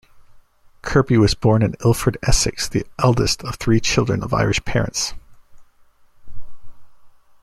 Kirby was born in Ilford, Essex, the eldest of three children of Irish parents.